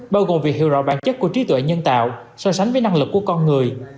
bao gồm việc hiểu rõ bản chất của trí tuệ nhân tạo so sánh với năng lực của con người